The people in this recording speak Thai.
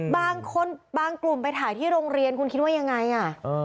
บางคนบางกลุ่มไปถ่ายที่โรงเรียนคุณคิดว่ายังไงอ่ะ